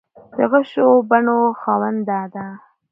د غشو بڼو خاونده ده